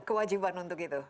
kewajiban untuk itu